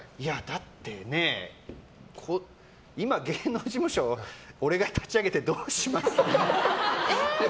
だってね、今、芸能事務所俺が立ち上げてどうします？